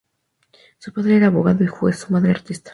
Su padre era abogado y juez, su madre artista.